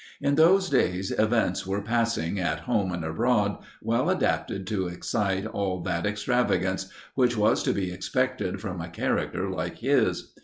In those days, events were passing, at home and abroad, well adapted to excite all that extravagance, which was to be expected from a character like his.